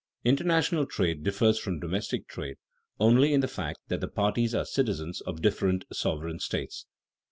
International trade differs from domestic trade only in the fact that the parties are citizens of different sovereign states.